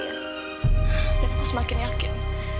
dan aku semakin yakin